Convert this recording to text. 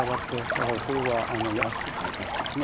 だからそれは安く買えたっていうかね。